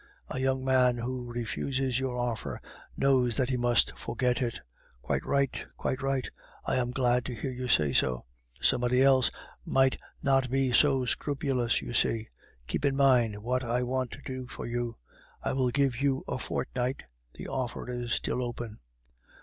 "A young man who refuses your offer knows that he must forget it." "Quite right, quite right; I am glad to hear you say so. Somebody else might not be so scrupulous, you see. Keep in mind what I want to do for you. I will give you a fortnight. The offer is still open."